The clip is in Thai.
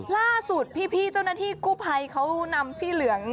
ล่าสุดพี่เจ้าหน้าที่กู้ภัยเขานำพี่เหลือง